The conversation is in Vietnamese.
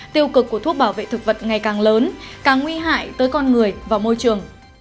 tiêu cực của thuốc bảo vệ thực vật ngày càng lớn càng nguy hại tới con người và môi trường